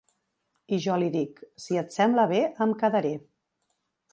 I jo li dic: Si et sembla bé, em quedaré.